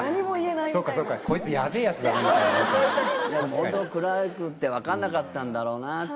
ホント暗くて分かんなかったんだろうなって。